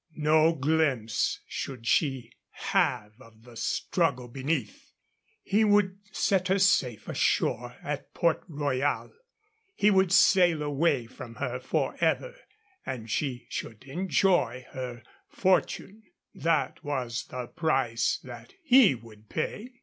No glimpse should she have of the struggle beneath. He would set her safe ashore at Port Royal. He would sail away from her forever, and she should enjoy her fortune. That was the price that he would pay.